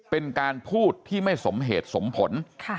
เป็นการพูดที่ไม่สมเหตุสมผล